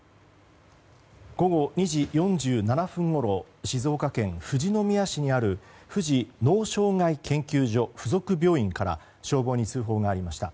午後２時４７分ごろ静岡県富士宮市にある富士脳障害研究所附属病院から消防に通報がありました。